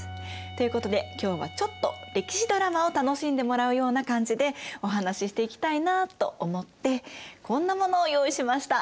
ということで今日はちょっと歴史ドラマを楽しんでもらうような感じでお話ししていきたいなあと思ってこんなものを用意しました。